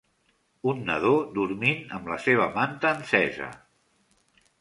Un nadó dormint amb la seva manta encesa